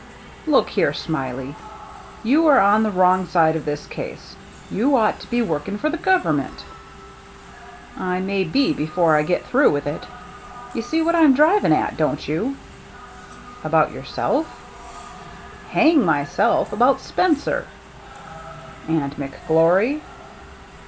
" Look here. Smiley, you are on the wrong side of this case. You ought to be working for the government." " I may be before I get through with it. You see what I'm driving at, don't you ?" "About yourself?" " Hang myself. About Spencer.'* "AndMcGlory?"